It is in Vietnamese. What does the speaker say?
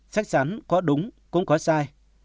chắc chắn có đúng cũng có sai